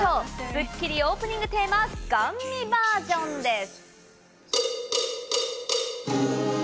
『スッキリ』オープニングテーマ、ＧＡＮＭＩバージョンです。